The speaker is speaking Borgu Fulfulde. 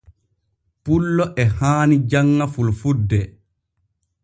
Pullo e haani janŋa fulfulde.